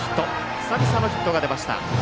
久々のヒットが出ました。